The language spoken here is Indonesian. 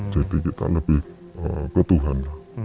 jadi kita lebih ke tuhan